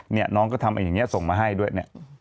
เนี่ยน้องก็ทำอย่างนี้ส่งมาให้ด้วยเนี่ย